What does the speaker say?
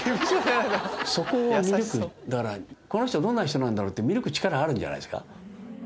だから「この人どんな人なんだろう」って見抜く力あるんじゃないですか。